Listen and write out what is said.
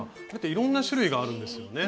いろんな種類があるんですよね。